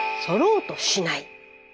「そろうとしない」。